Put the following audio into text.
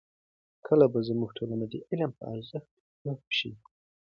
کله به زموږ ټولنه د علم په ارزښت پوه شي؟